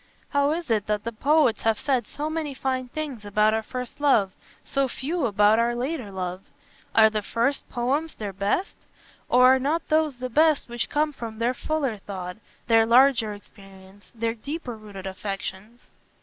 How is it that the poets have said so many fine things about our first love, so few about our later love? Are their first poems their best? Or are not those the best which come from their fuller thought, their larger experience, their deeper rooted affections?